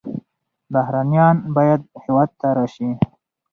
بهرنیان باید هېواد ته راشي.